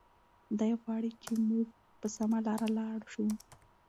دی غواړي چې موږ په سمه لاره لاړ شو.